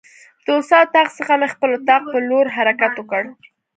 د استاد اتاق څخه مې خپل اتاق په لور حرکت وکړ.